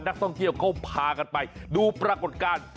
นักท่องเที่ยวเขาพากันไปดูปรากฏการณ์